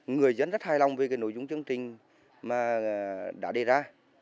người dân rất hài lòng về cái nội dung chương trình mà đã đề ra